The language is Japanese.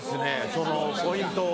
そのポイントを。